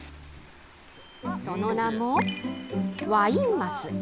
その名もワイン鱒。